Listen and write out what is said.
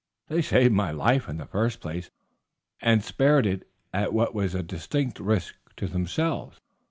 They saved my life in the first place, and spared it at what was a distinct risk to themselves.